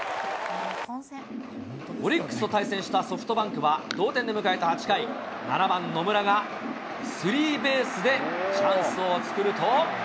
オリックスと対戦したソフトバンクは同点で迎えた８回、７番野村がスリーベースでチャンスを作ると。